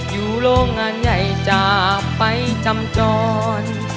อยู่โรงงานใหญ่จากไปจำจร